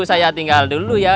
saya tinggal dulu ya